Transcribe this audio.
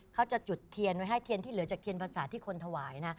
เขาจะจุดเทียนไว้ให้เทียนที่เหลือจากเทียนพรรษาที่คนถวายนะ